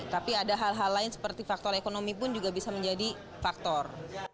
tapi ada hal hal lain seperti faktor ekonomi pun juga bisa menjadi faktor